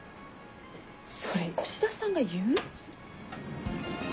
それ吉田さんが言う？